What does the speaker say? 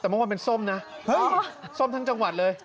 แต่เมื่อวานเป็นส้มนะเฮ้ยส้มทั้งจังหวัดเลย